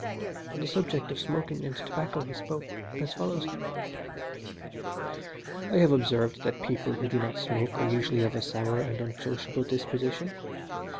On the subject of smoking and tobacco he spoke as follows "I have observed that people who do not smoke are usually of a sour and unsociable disposition.